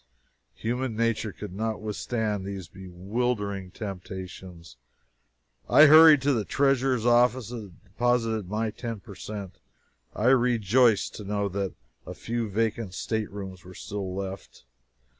Human nature could not withstand these bewildering temptations. I hurried to the treasurer's office and deposited my ten percent. I rejoiced to know that a few vacant staterooms were still left.